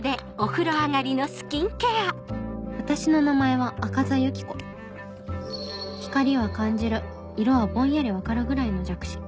私の名前は赤座ユキコ光は感じる色はぼんやり分かるぐらいの弱視